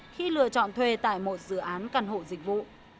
khi lựa chọn thuê tại một dự án căn hộ dịch vụ